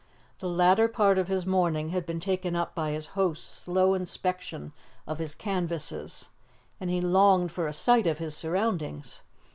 The latter part of his morning had been taken up by his host's slow inspection of his canvases, and he longed for a sight of his surroundings.